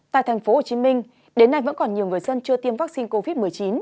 tại tp hcm đến nay vẫn còn nhiều người dân chưa tiêm vaccine covid một mươi chín